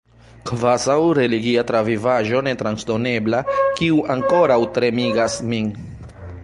Kvazaŭ religia travivaĵo ne transdonebla, kiu ankoraŭ tremigas min.